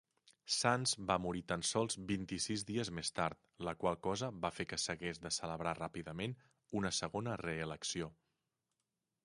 Sands va morir tan sols vint-i-sis dies més tard, la qual cosa va fer que s'hagués de celebrar ràpidament una segona reelecció.